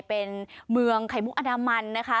เป็นเมืองไขมุะอนามัน